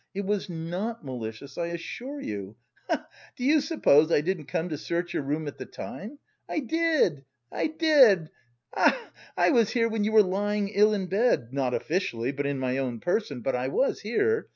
It was not malicious, I assure you, he he! Do you suppose I didn't come to search your room at the time? I did, I did, he he! I was here when you were lying ill in bed, not officially, not in my own person, but I was here.